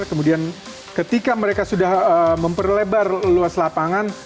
kemudian ketika mereka sudah memperlebar luas lapangan